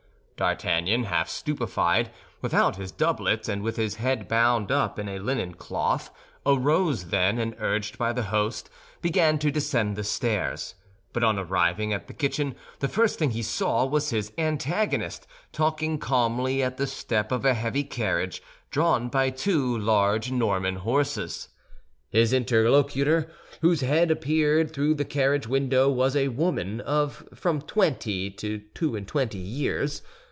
D'Artagnan, half stupefied, without his doublet, and with his head bound up in a linen cloth, arose then, and urged by the host, began to descend the stairs; but on arriving at the kitchen, the first thing he saw was his antagonist talking calmly at the step of a heavy carriage, drawn by two large Norman horses. His interlocutor, whose head appeared through the carriage window, was a woman of from twenty to two and twenty years.